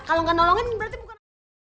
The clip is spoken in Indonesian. kalau nggak nolongin berarti bukan